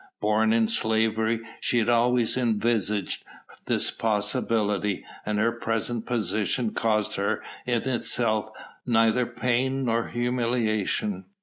Born in slavery, she had always envisaged this possibility, and her present position caused her in itself neither pain nor humiliation.